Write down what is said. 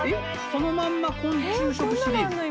「そのまんま昆虫食シリーズ」。